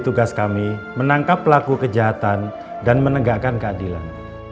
tugas kami menangkap pelaku kejahatan dan menegakkan keadilan